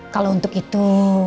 kalau untuk itu